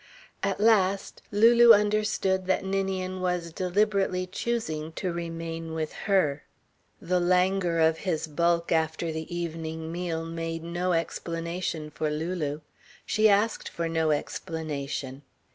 At last Lulu understood that Ninian was deliberately choosing to remain with her. The languor of his bulk after the evening meal made no explanation for Lulu. She asked for no explanation.